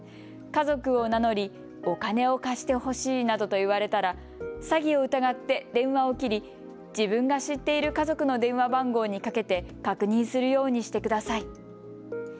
家族を名乗り、お金を貸してほしいなどと言われたら詐欺を疑って電話を切り自分が知っている家族の電話番号にかけて確認するようにしてください。